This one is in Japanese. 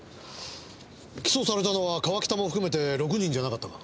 起訴されたのは川北も含めて６人じゃなかったか？